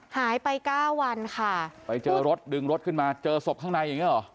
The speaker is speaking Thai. หายไปเก้าวันค่ะไปเจอรถดึงรถขึ้นมาเจอศพข้างในอย่างเงี้เหรอ